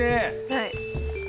はい。